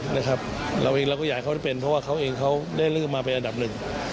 เราเองเราก็อยากให้เขาได้เป็นเพราะว่าเขาเองเขาได้ลืมมาเป็นอันดับหนึ่ง